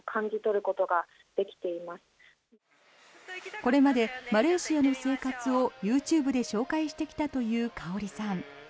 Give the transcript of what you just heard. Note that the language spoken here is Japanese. これまでマレーシアの生活をＹｏｕＴｕｂｅで紹介してきたというＫａｏｒｉさん。